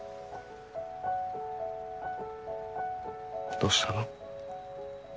どうしたの？